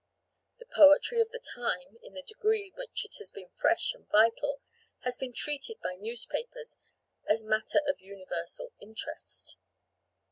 The poetry of the time, in the degree in which it has been fresh and vital, has been treated by newspapers as matter of universal interest.